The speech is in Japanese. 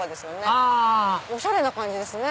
あぁおしゃれな感じですね。